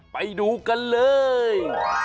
ไปดูกันเลย